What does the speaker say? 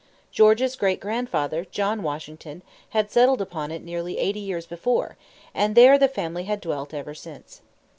George's great grandfather, John Washington, had settled upon it nearly eighty years before, and there the family had dwelt ever since.